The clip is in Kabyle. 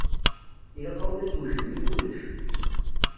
Ilaq-awen ad twejdem i kullec.